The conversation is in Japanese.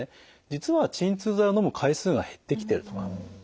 実は鎮痛剤をのむ回数が減ってきてるとか。